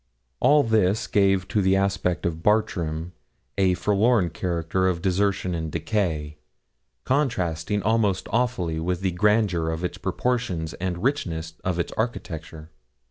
All this gave to the aspect of Bartram a forlorn character of desertion and decay, contrasting almost awfully with the grandeur of its proportions and richness of its architecture.